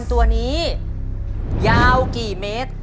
ตัวเลือกที่สามครับ